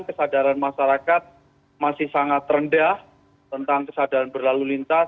kesadaran masyarakat masih sangat rendah tentang kesadaran berlalu lintas